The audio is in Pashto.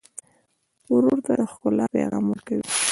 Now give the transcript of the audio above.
ورور ته د ښکلا پیغام ورکوې.